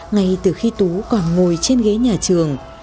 ngay từ khi tú còn ngồi trên ghế nhà trường